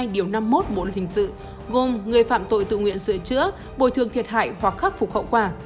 điều năm mươi một bộ luật hình sự gồm người phạm tội tự nguyện sửa chữa bồi thường thiệt hại hoặc khắc phục hậu quả